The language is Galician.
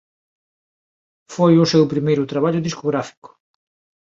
Foi o seu primeiro traballo discográfico.